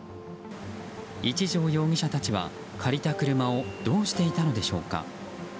一條容疑者たちは借りた車をどうしていたのでしょうか。